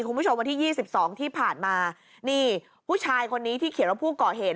คุณผู้ชมวันที่ยี่สิบสองที่ผ่านมานี่ผู้ชายคนนี้ที่เขียนว่าผู้ก่อเหตุ